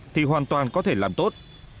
thì hoàn toàn có thể làm tốt